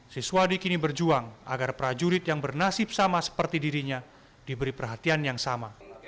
siswadi kini berjuang agar prajurit yang bernasib sama seperti dirinya diberi perhatian yang sama